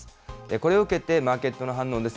これを受けてマーケットの反応です。